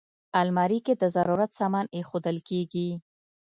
الماري کې د ضرورت سامان ایښودل کېږي